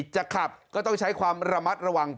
จะขับก็ต้องใช้ความระมัดระวัง